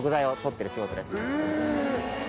え。